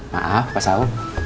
maaf pak sok